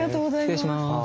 失礼します。